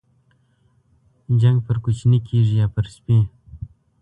جنگ پر کوچني کېږي ، يا پر سپي.